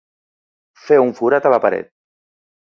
Fer un forat a la paret.